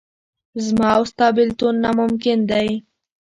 زما او ستا بېلتون ناممکن دی.